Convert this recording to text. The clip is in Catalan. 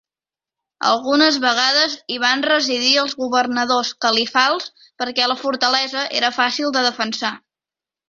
Algunes vegades hi van residir els governadors califals perquè la fortalesa era fàcil de defensar.